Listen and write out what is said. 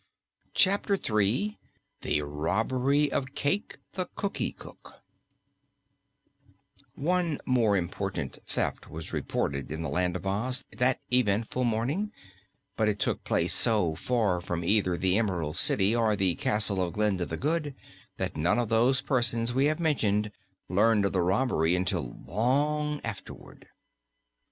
CHAPTER 3 THE ROBBERY OF CAYKE THE COOKIE COOK One more important theft was reported in the Land of Oz that eventful morning, but it took place so far from either the Emerald City or the castle of Glinda the Good that none of those persons we have mentioned learned of the robbery until long afterward.